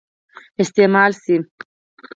استعمال سي.